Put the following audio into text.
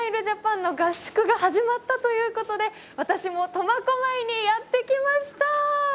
ジャパンの合宿が始まったということで私も苫小牧にやって来ました。